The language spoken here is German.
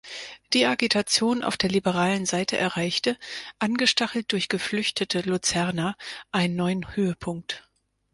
Die Agitation auf der liberalen Seite erreichte, angestachelt durch geflüchtete Luzerner, einen neuen Höhepunkt.